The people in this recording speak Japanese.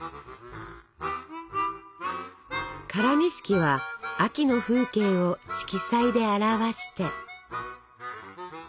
唐錦は秋の風景を色彩で表して。